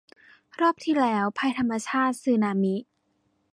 รอบที่แล้ว ภัยธรรมชาติ สึนามิ